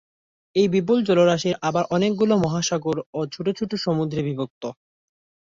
এ বিপুল জলরাশি আবার অনেকগুলো মহাসাগর ও ছোট ছোট সমুদ্রে বিভক্ত।